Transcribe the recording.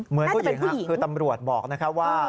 เหมือนผู้หญิงครับคือตำรวจบอกนะครับว่า